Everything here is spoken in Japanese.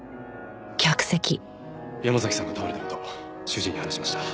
山崎さんが倒れた事主治医に話しました。